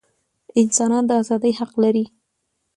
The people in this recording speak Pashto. انسانان د ازادۍ حق لري.